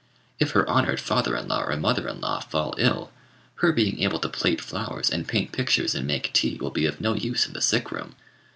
If her honoured father in law or mother in law fall ill, her being able to plait flowers and paint pictures and make tea will be of no use in the sick room.